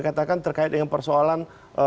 katakan terkait dengan persoalan